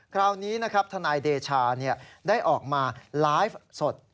คราวนี้นะครับทนายเดชาได้ออกมาไลฟ์สด